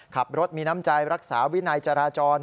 ขับรถมีน้ำใจรักษาวินัยจราจร